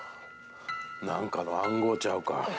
なんかの暗号ちゃうか。